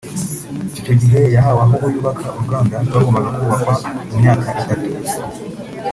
Icyo gihe yahawe aho yubaka uruganda rwagombaga kubakwa mu myaka itatu